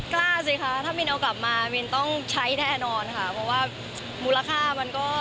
กล้าสิคะถ้ามินเอากลับมามินต้องใช้แน่นอนค่ะเพราะว่ามูลค่ามันก็